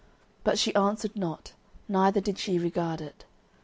But she answered not, neither did she regard it.